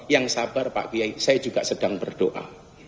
yang sabar pak kiai saya juga sedang berdoa